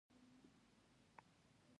هغوی وایي چې مېلمستیا زموږ کلتور ده